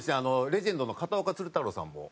レジェンドの片岡鶴太郎さんも。